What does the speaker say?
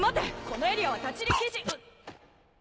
このエリアは立ち入り禁止。